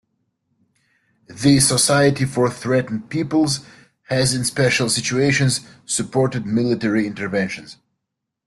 The Society for Threatened Peoples has in special situations supported military interventions.